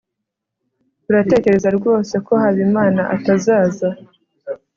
uratekereza rwose ko habimana atazaza